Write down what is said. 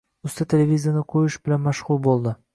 Usta televizorni qo‘yish bilan mashg‘ul bo‘ldi.